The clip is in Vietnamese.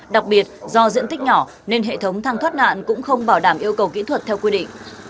đặc biệt do diện tích nhỏ nên hệ thống thang thoát nạn cũng không bảo đảm yêu cầu kỹ thuật theo quy định